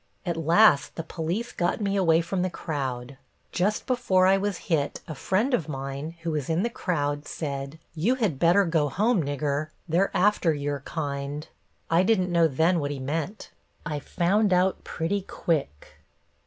At last the police got me away from the crowd. Just before I was hit a friend of mine, who was in the crowd, said, 'You had better go home, Nigger; they're after your kind.' I didn't know then what he meant. I found out pretty quick."